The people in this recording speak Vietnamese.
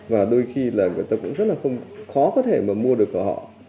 và đôi khi là người ta cũng rất là không khó có thể mà mua được của họ